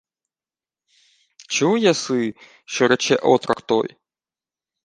— Чув єси, що рече отрок той?